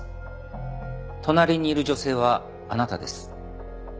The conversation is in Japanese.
隣にいる女性はあなたです。